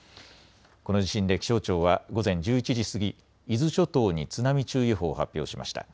この地震で気象庁は午前１１時過ぎ、伊豆諸島に津波注意報を発表しました。